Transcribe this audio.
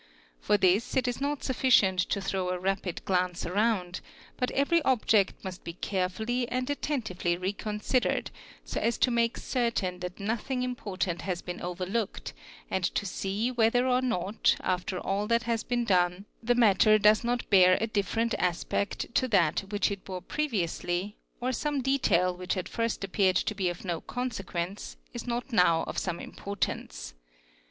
For this it is not sufficient to th row a rapid glance around, but every object must be carefully and attentively reconsidered so as to make certain that nothing important has been overlooked and to see whether or not, after all that has been done, the matter does not bear a different aspect to that which it bore pre viously or some detail which at first appeared to be of no consequence is not now of some importance.